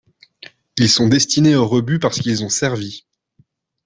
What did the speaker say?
Ils sont destinés au rebut parce qu'ils ont servi.